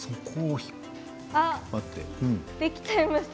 できちゃいました。